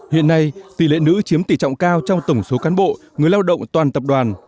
hiện nay tỷ lệ nữ chiếm tỷ trọng cao trong tổng số cán bộ người lao động toàn tập đoàn